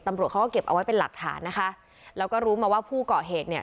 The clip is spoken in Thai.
ตำรวจเขาก็เก็บเอาไว้เป็นหลักฐานนะคะแล้วก็รู้มาว่าผู้เกาะเหตุเนี่ย